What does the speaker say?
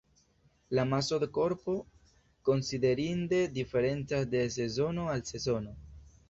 La maso de korpo konsiderinde diferencas de sezono al sezono.